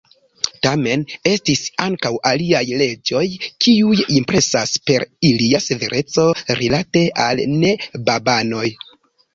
Tamen estis ankaŭ aliaj leĝoj, kiuj impresas per ilia severeco rilate al ne-babanoj.